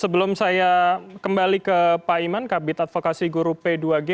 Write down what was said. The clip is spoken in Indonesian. sebelum saya kembali ke pak iman kabit advokasi guru p dua g